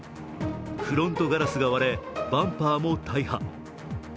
フロントガラスが割れ、バンパーも大破。